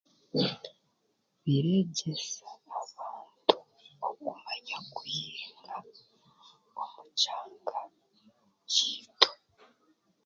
Bireegyesa abantu okumanya kuhinga omu kyanga kyaitu.